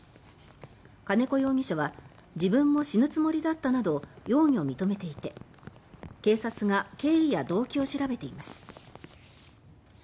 金子容疑者は「自分も死ぬつもりだった」など容疑を認めていて警察が経緯や動機を調べています